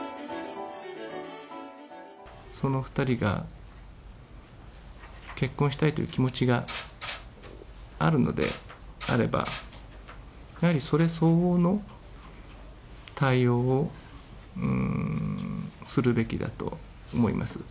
その２人が、結婚したいという気持ちがあるのであれば、やはりそれ相応の対応を、するべきだと思います。